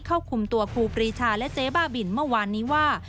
เข้าคุมตัวครูปรีชาและเจ๊บ้าบินเมื่อวานนี้ว่า